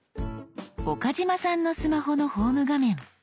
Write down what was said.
岡嶋さんのスマホのホーム画面。